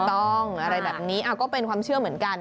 อะไรแบบนี้ก็เป็นความเชื่อเหมือนกัน